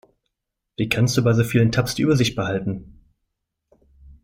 Wie kannst du bei so vielen Tabs die Übersicht behalten?